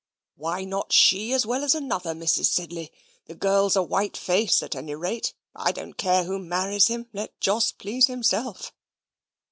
"Why not she as well as another, Mrs. Sedley? The girl's a white face at any rate. I don't care who marries him. Let Joe please himself."